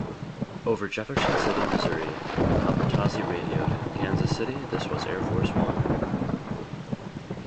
Over Jefferson City, Missouri, Albertazzie radioed: 'Kansas City, this was Air Force One.